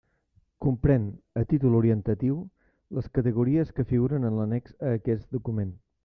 Comprén, a títol orientatiu, les categories que figuren en l'annex a aquest document.